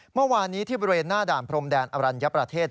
เมื่อวานนี้ที่บริเวณหน้าด่านพรมแดนอรัญญประเทศ